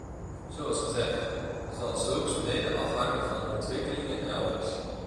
Zoals gezegd, zal zulks mede afhangen van ontwikkelingen elders.